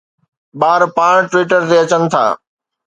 ٻار پاڻ Twitter تي اچن ٿا